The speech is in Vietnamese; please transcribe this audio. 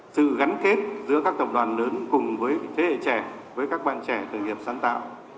sự gắn kết giữa các tập đoàn lớn cùng với thế hệ trẻ với các bạn trẻ khởi nghiệp sáng tạo